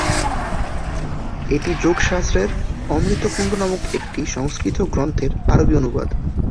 এটি যোগশাস্ত্রের অমৃতকুন্ড নামক একটি সংস্কৃত গ্রন্থের আরবি অনুবাদ।